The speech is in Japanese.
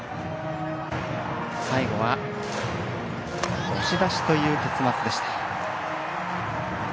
最後は押し出しという結末でした。